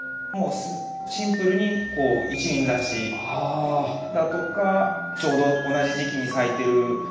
もうシンプルに一輪挿しだとかちょうど同じ時期に咲いてる。